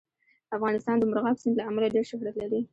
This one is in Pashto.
افغانستان د مورغاب سیند له امله ډېر شهرت لري.